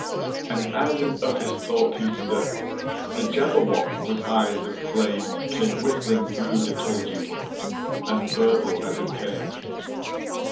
And as in uffish thought he stood, The Jabberwock, with eyes of flame, Came whiffling through the tulgey wood, And burbled as it came!